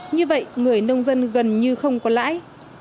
như vậy người nông dân gần như không có lãi